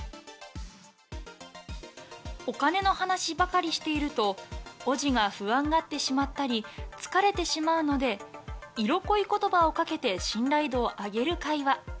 お金の話ばかりしていると、おぢが不安がってしまったり、疲れてしまうので、色恋ことばをかけて信頼度を上げる会話。